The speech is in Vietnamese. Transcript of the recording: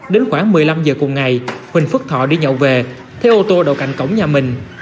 đến khoảng một mươi năm giờ cùng ngày huỳnh phước thọ đi nhậu về thấy ô tô đầu cạnh cổng nhà mình